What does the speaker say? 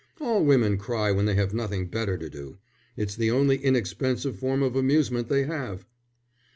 "All women cry when they have nothing better to do. It's the only inexpensive form of amusement they have."